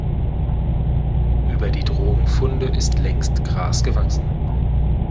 Über die Drogenfunde ist längst Gras gewachsen.